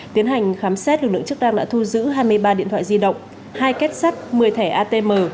tiến hành khám xét lực lượng chức năng đã thu giữ hai mươi ba điện thoại di động hai kết sắt một mươi thẻ atm